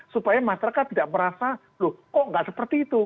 supaya masyarakat tidak merasa loh kok nggak seperti itu